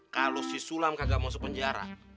kalau si sulam kagak masuk penjara